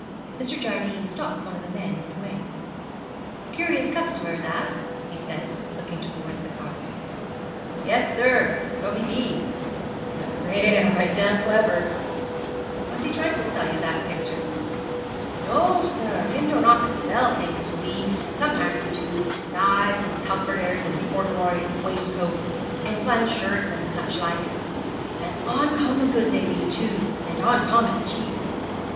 Mr. Jardine stopped one of the men midway. 'A curious customer that,' he said, looking towards the cart. 'Yes, sir, so he be; but rale right down clever.' 'Was he trying to sell you that picture?' 'No, sir; him don't often sell things to we; sometimes him do knives, and comforters, and corderoy waistcoats, and flannel shirts, and such like, and oncommon good they be, too, and oncommon cheap.